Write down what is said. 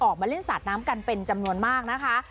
ออกมาเล่นสาดน้ำกันเป็นจำนวนมากนะคะ